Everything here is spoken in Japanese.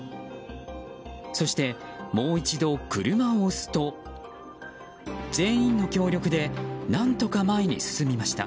そして、もう一度、車を押すと全員の協力で何とか前に進みました。